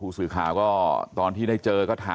ลูกสาวหลายครั้งแล้วว่าไม่ได้คุยกับแจ๊บเลยลองฟังนะคะ